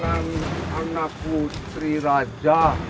ketemu anak putri raja